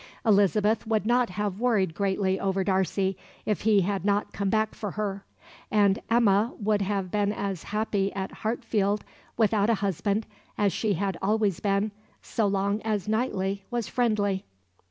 Elizabeth would not have worried greatly over Darcy if he had not come back for her, and Emma would have been as happy at Hartfield without a husband as she had always been, so long as Knightley was friendly.